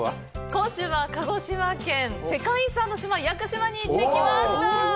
今週は鹿児島県、世界遺産の島屋久島に行ってきました。